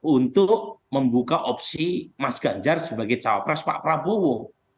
untuk membuka opsi mas ganjar sebagai cawapres pak prabowo